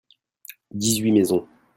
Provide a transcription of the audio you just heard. dix-huit maisons.